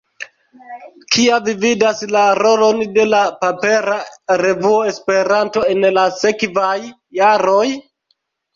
Kia vi vidas la rolon de la papera revuo Esperanto en la sekvaj jaroj?